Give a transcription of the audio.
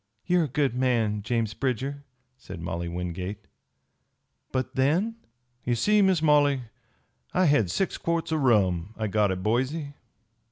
"You are a good man, James Bridger," said Molly Wingate. "But then?" "Ye see, Miss Molly, I had six quarts o' rum I got at Boise.